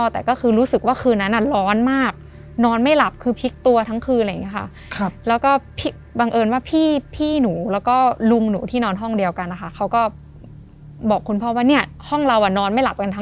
แต่ก็คือรู้สึกว่าคืนนั้นน่ะร้อนมากนอนไม่หลับคือพลิกตัวทั้งคืนอะไรอย่างนี้ค่ะ